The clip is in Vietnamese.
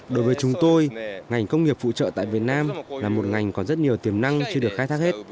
đối với chúng tôi ngành công nghiệp phụ trợ tại việt nam là một ngành có rất nhiều tiềm năng chưa được khai thác hết